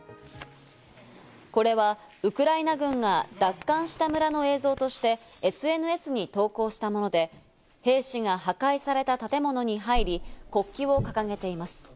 これはウクライナ軍が奪還した村の映像としてＳＮＳに投稿したもので、兵士が破壊された建物に入り、国旗を掲げています。